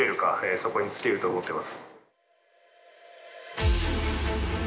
そこに尽きると思ってます